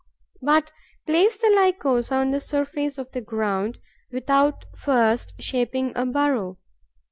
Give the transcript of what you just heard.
But place the Lycosa on the surface of the ground, without first shaping a burrow.